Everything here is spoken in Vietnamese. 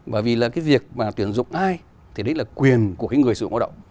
bởi vì là cái việc mà tuyển dụng ai thì đấy là quyền của cái người sử dụng lao động